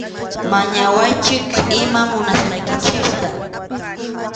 Mañawaychik iman munasqaykichikta.